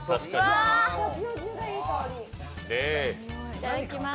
いただきます。